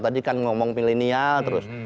tadi kan ngomong milenial terus